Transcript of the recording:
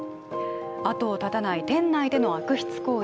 後を絶たない店内での悪質行為。